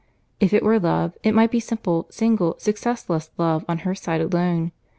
If it were love, it might be simple, single, successless love on her side alone.